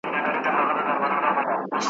بس دا یوه شپه سره یوازي تر سبا به سو ,